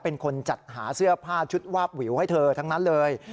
เป็นคนจัดหาเสื้อผ้าชุดวาบวิวให้เธอทั้งนั้นเลย